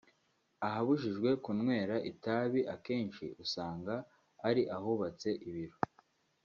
Ahabujijwe kunywera itabi akenshi usanga ari ahubatse ibiro